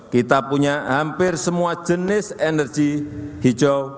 kita punya hampir semua jenis energi hijau